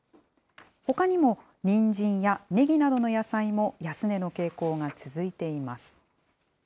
ほかにも、にんじんやねぎなどの野菜も安値の傾向が続いています。